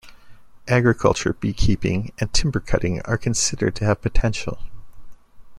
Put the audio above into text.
Agriculture, beekeeping, and timber-cutting are considered to have potential.